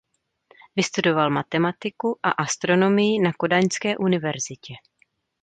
Vystudoval matematiku a astronomii na Kodaňské univerzitě.